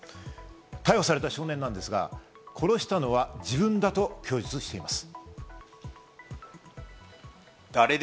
逮捕された少年なんですが、殺したのは自分だと供述しています。